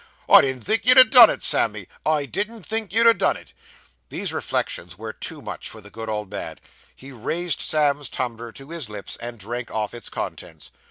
I didn't think you'd ha' done it, Sammy, I didn't think you'd ha' done it!' These reflections were too much for the good old man. He raised Sam's tumbler to his lips and drank off its contents.